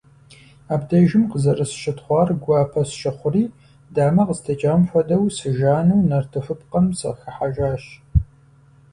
Абдежым къызэрысщытхъуар гуапэ сщыхъури, дамэ къыстекӀам хуэдэу, сыжану, нартыхупкъэм сыхыхьэжащ.